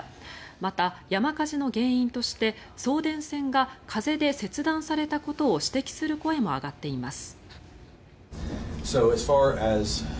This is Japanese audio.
また、山火事の原因として送電線が風で切断されたことを指摘する声も上がっています。